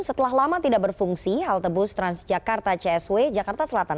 setelah lama tidak berfungsi halte bus transjakarta csw jakarta selatan